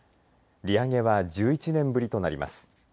利上げは１１年ぶりとなります。